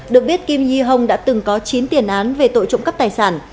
được biết kim di hồng đã từng có chín tiền án về tội trộm cắp tài sản